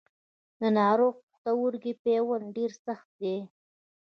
د ناروغ پښتورګي پیوند ډېر سخت دی.